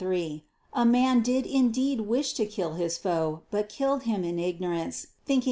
3) a man did indeed wish to kill his foe, but killed him in ignorance, thinking to kill a stag.